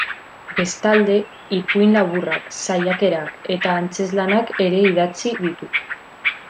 Bestalde, ipuin laburrak, saiakerak eta antzezlanak ere idatzi ditu.